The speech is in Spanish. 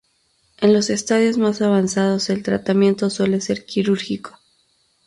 En los estadios más avanzados el tratamiento suele ser quirúrgico.